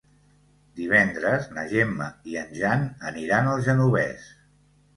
Divendres na Gemma i en Jan aniran al Genovés.